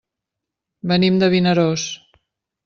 Venim de Vinaròs.